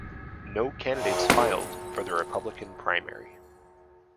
No candidates filed for the Republican primary.